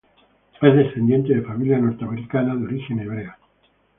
Es descendiente de familia norteamericana de origen hebrea.